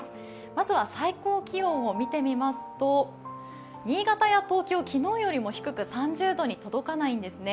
まずは最高気温を見てみますと、新潟や東京、昨日よりも低く３０度に届かないんですね。